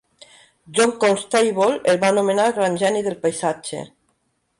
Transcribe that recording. John Constable el va anomenar "el gran geni del paisatge".